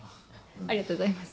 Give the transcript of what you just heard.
ありがとうございます。